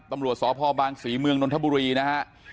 ตำรวจสพบางศรีเมืองนนทบุรีนะฮะ